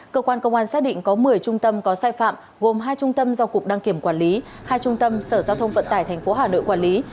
cơ quan công an xác định có một mươi trung tâm có sai phạm gồm hai trung tâm do cục đăng kiểm quản lý hai trung tâm sở giao thông vận tải tp hà nội quản lý